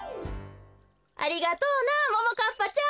ありがとうなももかっぱちゃん！